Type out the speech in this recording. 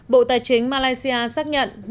bộ tài chính malaysia xác nhận